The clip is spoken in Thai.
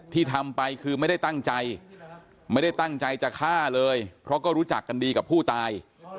ทำไปคือไม่ได้ตั้งใจไม่ได้ตั้งใจจะฆ่าเลยเพราะก็รู้จักกันดีกับผู้ตาย